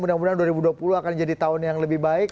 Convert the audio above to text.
mudah mudahan dua ribu dua puluh akan jadi tahun yang lebih baik